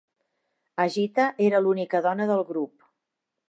Ajitha era l'única dona del grup.